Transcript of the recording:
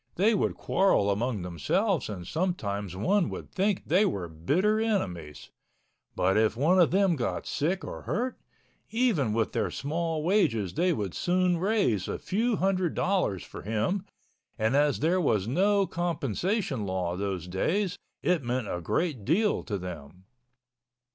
They would quarrel among themselves and sometimes one would think they were bitter enemies, but if one of them got sick or hurt, even with their small wages they would soon raise a few hundred dollars for him, and as there was no compensation law those days it meant a great deal to them.